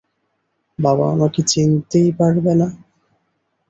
বাবা আমাকে চিনতেই পারবে না।